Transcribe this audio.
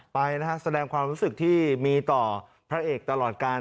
ไปนะฮะแสดงความรู้สึกที่มีต่อพระเอกตลอดการ